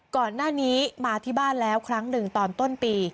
ก่อนหน้านี้มาที่บ้านแล้วครั้งหนึ่งตอนต้นปี